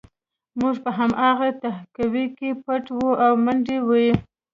موږ په هماغه تهکوي کې پټ وو او منډې وې